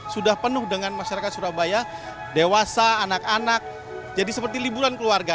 sudah penuh dengan masyarakat surabaya dewasa anak anak jadi seperti liburan keluarga